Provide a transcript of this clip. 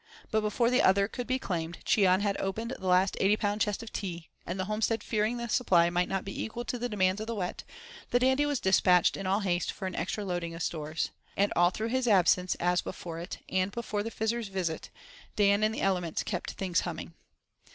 But before the other could be claimed Cheon had opened the last eighty pound chest of tea, and the homestead fearing the supply might not be equal to the demands of the Wet, the Dandy was dispatched in all haste for an extra loading of stores. And all through his absence, as before it, and before the Fizzer's visit, Dan and the elements "kept things humming."